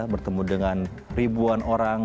bertemu dengan ribuan orang